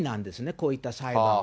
こういった裁判は。